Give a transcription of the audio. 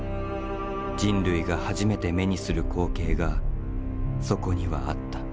人類が初めて目にする光景がそこにはあった。